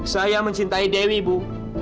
saya mencintai dewi ibu